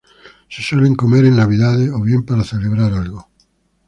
Se suelen comer en Navidades, o bien para celebrar algo.